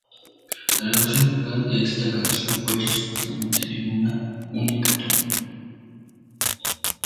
La grabación vocal de esta canción fue hecha supuestamente en una única toma.